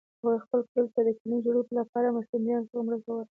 هغوی خپل کلي ته د کلینیک جوړولو لپاره له مرستندویانو څخه مرسته غواړي